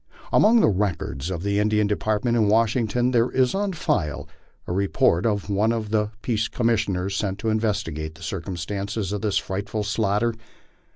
Among the records of the Indian Department in Washington there is on file a report of one of the Peace Commissioners sent to investigate the circumstances of this frightful slaughter.